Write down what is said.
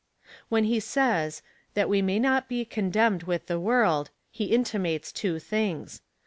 When he says — that we may not he condemned with the world, he intimates two things.